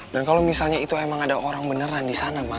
dan kalau misalnya itu emang ada orang beneran di sana ma